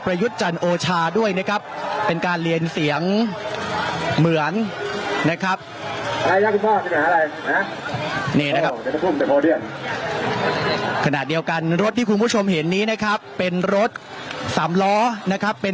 เป็นรถ๓ล้อจักรยานนะครับ